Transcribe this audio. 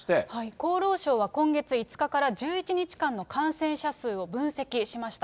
厚労省は今月５日から１１日間の感染者数を分析しました。